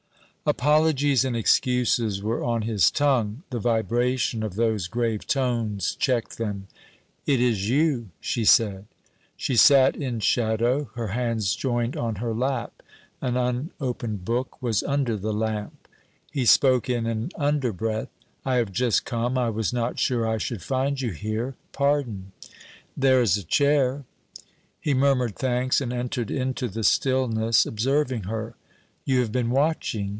Apologies and excuses were on his tongue. The vibration of those grave tones checked them. 'It is you,' she said. She sat in shadow, her hands joined on her lap. An unopened book was under the lamp. He spoke in an underbreath: 'I have just come. I was not sure I should find you here. Pardon.' 'There is a chair.' He murmured thanks and entered into the stillness, observing her. 'You have been watching....